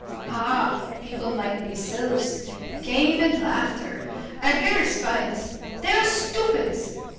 Ah! people might be sylphs. Games and Laughter, argiraspides; they are stupids.